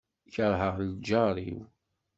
Kerheɣ lǧar-iw.